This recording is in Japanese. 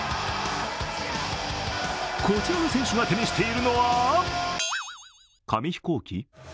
こちらの選手が手にしているのは紙飛行機？